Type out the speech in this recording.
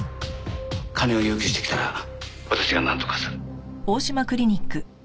金を要求してきたら私がなんとかする。